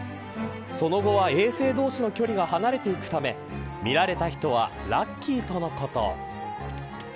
その後は衛星同士の距離が離れていくため見られた人はラッキーとのこと。